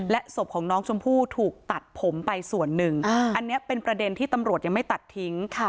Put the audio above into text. ศพของน้องชมพู่ถูกตัดผมไปส่วนหนึ่งอันนี้เป็นประเด็นที่ตำรวจยังไม่ตัดทิ้ง